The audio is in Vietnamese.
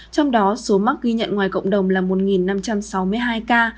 trong đó số mắc ghi nhận ngoài cộng đồng là một năm trăm sáu mươi hai ca